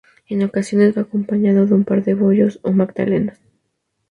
En ocasiones va acompañado de un par de bollos o magdalenas.